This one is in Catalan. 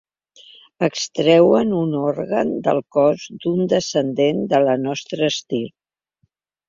Extreuen un òrgan del cos d'un descendent de la nostra estirp.